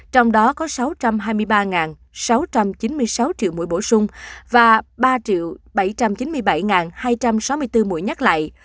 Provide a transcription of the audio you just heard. trong đó có sáu trăm hai mươi ba sáu trăm chín mươi sáu triệu mũi bổ sung và ba bảy trăm chín mươi bảy hai trăm sáu mươi bốn mũi nhắc lại